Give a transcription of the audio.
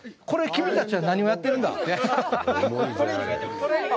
これ、君たちは何をやってるんだ？